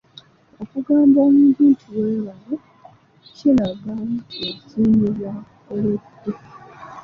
Okugamba omuntu nti weebale kiraga nti osiimye bya kukoledde.